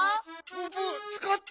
ププつかった。